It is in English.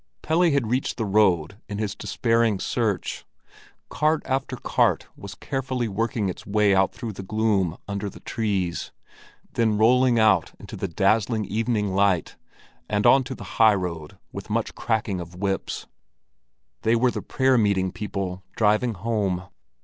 Pelle had reached the road in his despairing search. Cart after cart was carefully working its way out through the gloom under the trees, then rolling out into the dazzling evening light, and on to the high road with much cracking of whips. They were the prayer meeting people driving home.